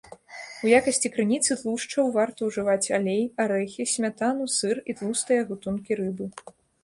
У якасці крыніцы тлушчаў варта ўжываць алей, арэхі, смятану, сыр і тлустыя гатункі рыбы.